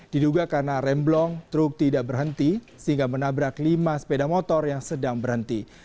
diduga karena remblong truk tidak berhenti sehingga menabrak lima sepeda motor yang sedang berhenti